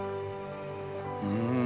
うん。